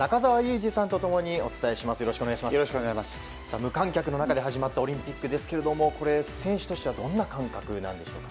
無観客の中で始まったオリンピックですが選手としてはどんな感覚なんでしょうか。